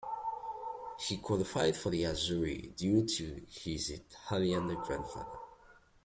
He qualified for the 'Azzurri' due to his Italian grandfather.